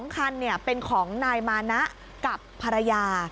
๒คันเป็นของนายมานะกับภรรยา